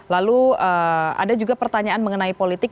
lalu ada juga pertanyaan mengenai politik